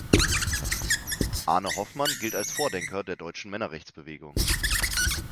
Arne Hoffmann gilt als Vordenker der deutschen Männerrechtsbewegung.